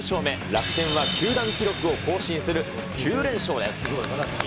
楽天は球団記録を更新する９連勝です。